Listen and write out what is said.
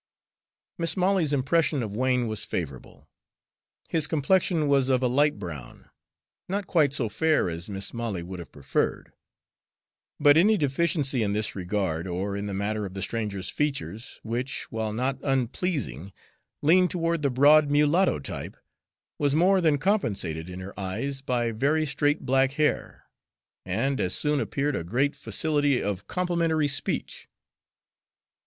Mis' Molly's impression of Wain was favorable. His complexion was of a light brown not quite so fair as Mis' Molly would have preferred; but any deficiency in this regard, or in the matter of the stranger's features, which, while not unpleasing, leaned toward the broad mulatto type, was more than compensated in her eyes by very straight black hair, and, as soon appeared, a great facility of complimentary speech.